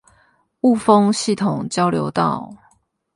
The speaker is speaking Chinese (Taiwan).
霧峰系統交流道